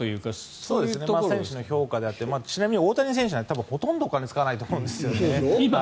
選手の評価であって大谷選手はほとんどお金使わないと思うんですね。